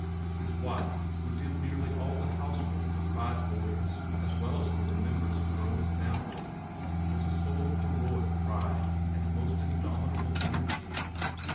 His wife, who did nearly all the housework for five boarders as well as for the members of her own family, was a soul of heroic pride and most indomitable energy.